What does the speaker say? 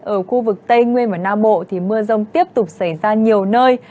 ở khu vực tây nguyên và nam bộ thì mưa rông tiếp tục xảy ra nhiều nơi